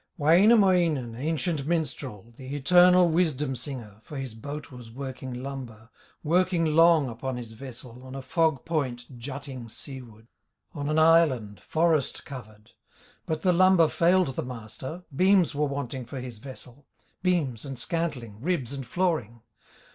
Wainamoinen, ancient minstrel, The eternal wisdom singer, For his boat was working lumber, Working long upon his vessel, On a fog point jutting seaward, On an island, forest covered; But the lumber failed the master, Beams were wanting for his vessel, Beams and scantling, ribs and flooring.